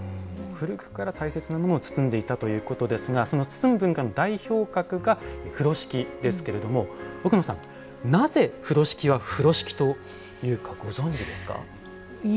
古くから大切なものを包んでいたということですがその包む文化の代表格が風呂敷ですが奥野さん、なぜ風呂敷は風呂敷というかご存じですか？